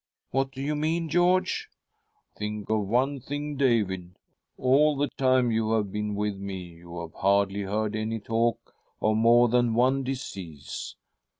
" What do you mean, George ?"" Think of one thing, David. All the time you have been with me, you have hardly heard any talk of more than one disease.